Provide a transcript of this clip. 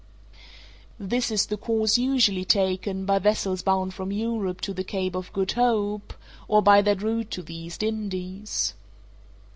This is the course usually taken by vessels bound from Europe to the Cape of Good Hope, or by that route to the East Indies.